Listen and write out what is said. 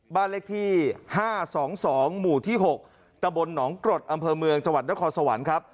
บ้านเลขที่๕๒๒หมู่ที่๖ตะบนหนองกรดอำเภอเมืองจังหวัดนครสวรรค์ครับ